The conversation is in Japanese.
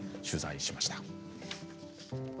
取材しました。